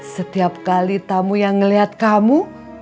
setiap kali tamu yang melihat kamu